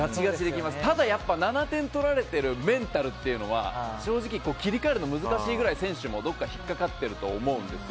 ただ、７点取られているメンタルっていうのは正直、切り替えるのも難しいくらい選手もどこか引っかかっていると思うんです。